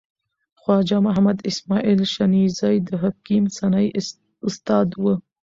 خواجه محمد اسماعیل شنیزی د حکیم سنایی استاد و.